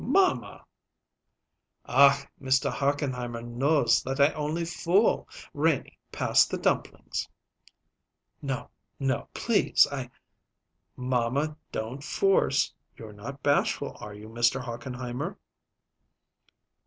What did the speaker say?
"Mamma!" "Ach, Mr. Hochenheimer knows that I only fool. Renie, pass the dumplings." "No, no please! I " "Mamma, don't force. You're not bashful, are you, Mr. Hochenheimer?"